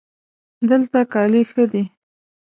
دلته کالي ښه دي